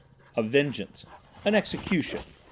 "A vengeance, an execution!